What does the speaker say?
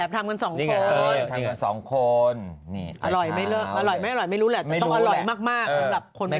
แอบทำกันสองคนและอร่อยไม่รู้แหละแต่ถ้าไม่รู้จะต้องอร่อยมาก